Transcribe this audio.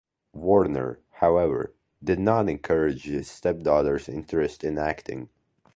Warner, however, did not encourage his stepdaughter's interest in acting.